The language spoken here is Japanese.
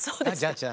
じゃあ。